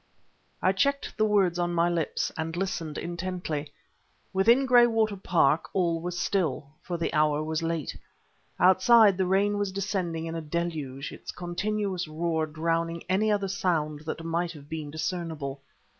I checked the words on my lips, and listened intently. Within Graywater Park all was still, for the hour was late. Outside, the rain was descending in a deluge, its continuous roar drowning any other sound that might have been discernible.